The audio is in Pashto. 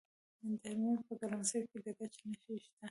د هلمند په ګرمسیر کې د ګچ نښې شته.